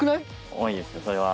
重いですねそれは。